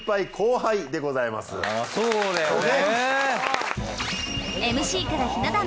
そうだよね。